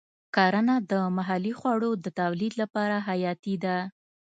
کرنه د محلي خوړو د تولید لپاره حیاتي ده.